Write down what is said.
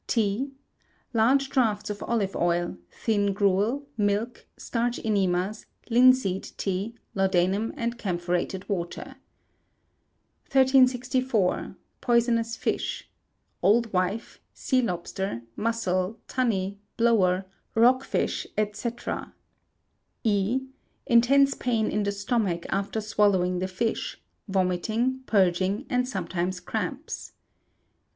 T. Large draughts of olive oil; thin gruel, milk, starch enemas, linseed tea, laudanum, and camphorated water. 1364. Poisonous Fish. (Old wife; sea lobster; mussel; tunny; blower; rock fish, &c.) E. Intense pain in the stomach after swallowing the fish, vomiting, purging, and sometimes cramps.